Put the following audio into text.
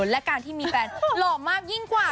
และการที่มีแฟนหล่อมากยิ่งกว่า